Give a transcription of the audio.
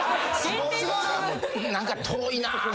何か遠いな。